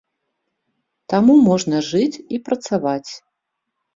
Таму можна жыць і працаваць.